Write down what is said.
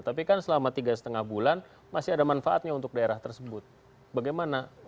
tapi kan selama tiga lima bulan masih ada manfaatnya untuk daerah tersebut bagaimana